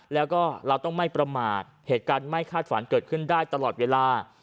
แล้วก็เราต้องไม่ประมาทเหตุการณ์ไม่คาดฝันเกิดขึ้นได้ตลอดเวลา